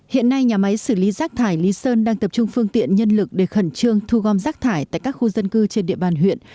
hiện nay nhà máy xử lý rác thải lý sơn đang tập trung phương tiện nhân lực để khẩn trương thu gom rác thải tại các khu dân cư trên địa bàn huyện